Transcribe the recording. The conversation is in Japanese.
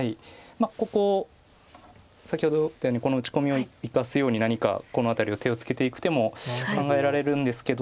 ここ先ほど打ったようにこの打ち込みを生かすように何かこの辺りを手をつけていく手も考えられるんですけど。